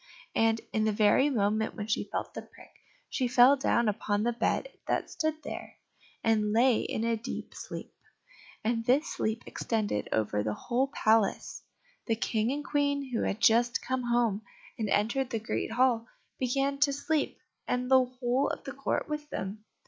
And, in the very moment when she felt the prick, she fell down upon the bed that stood there, and lay in a deep sleep. And this sleep extended over the whole palace; the King and Queen who had just come home, and had entered the great hall, began to go to sleep, and the whole of the court with them.